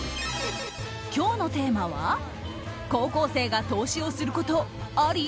今日のテーマは高校生が投資をすることあり？